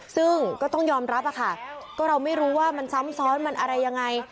ซึ่งก็ต้องยอมรับค่ะก็เราไม่รู้ว่ามันซ้ำซ้อนมันอะไรยังไง